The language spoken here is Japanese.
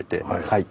はい。